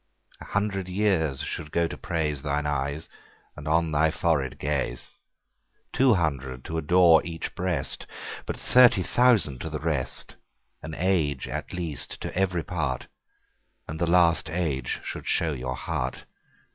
An hundred years should go to praiseThine Eyes, and on thy Forehead Gaze.Two hundred to adore each Breast:But thirty thousand to the rest. An Age at least to every part, And the last Age should show your Heart.